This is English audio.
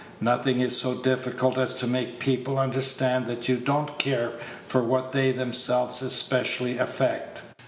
Nothing is so difficult as to make people understand that you don't care for what they themselves especially affect.